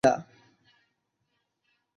আর দেখো প্রভুর কী লীলা।